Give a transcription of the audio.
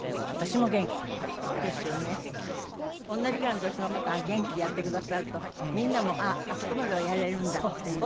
同じぐらいの年の方が元気でやってくださるとみんなもあっあそこまではやれるんだっていう。